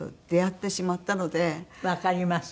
わかります。